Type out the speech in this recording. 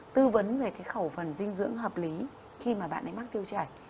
tư vấn về cái khẩu phần dinh dưỡng hợp lý khi mà bạn ấy mắc tiêu chảy